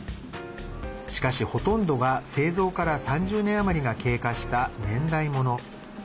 しかし、ほとんどが製造から３０年余りが経過した年代物。